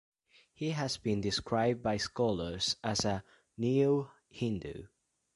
He has been described by scholars as a "neo-Hindu".